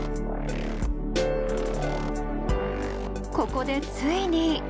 ここでついに。